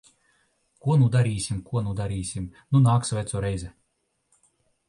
Ko nu darīsim? Ko nu darīsim? Nu nāks veco reize.